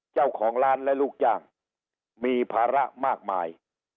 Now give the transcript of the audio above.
เจ้าของร้านและลูกจ้างมีภาระมากมาย